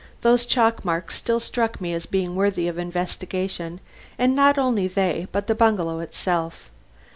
Those chalk marks still struck me as being worthy of investigation, and not only they, but the bungalow itself.